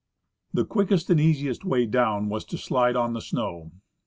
The quickest and easiest way down was to slide on the snow.